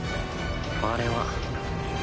あれは。